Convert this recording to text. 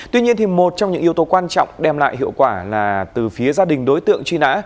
tuy nhiên một trong những yếu tố quan trọng đem lại hiệu quả là từ phía gia đình đối tượng truy nã